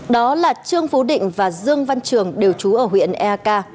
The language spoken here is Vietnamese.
đó là trương phú định và dương văn trường đều trú ở huyện eak